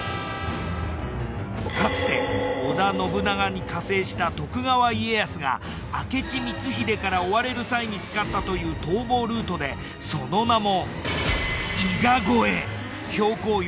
かつて織田信長に加勢した徳川家康が明智光秀から追われる際に使ったという逃亡ルートでその名も。